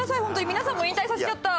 皆さんも引退させちゃった。